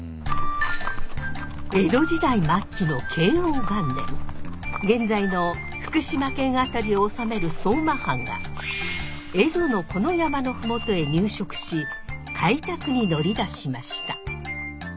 江戸時代末期の現在の福島県辺りを治める相馬藩が蝦夷のこの山の麓へ入植し開拓に乗り出しました。